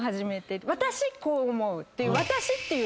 「私こう思う」っていう。